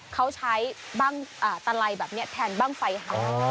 เขาใช้บ้างตะไลแบบนี้แทนบ้างไฟหาย